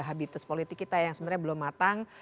habitus politik kita yang sebenarnya belum matang